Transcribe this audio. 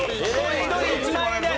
１人１万円です。